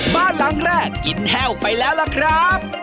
บ้านหลังแรกกินแห้วไปแล้วล่ะครับ